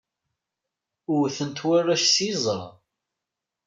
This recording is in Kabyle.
Wten-t warrac s yiẓra.